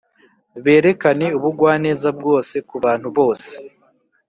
berekane ubugwaneza bwose ku bantu bose.